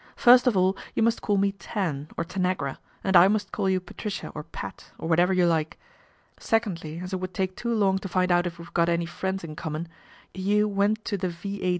First of all you must call me Tan or Hanagra, and I must call you Patricia or Pat, or whatever you like. Secondly, as it would take too long to find out if we've got any friends in common, you went to the V.A.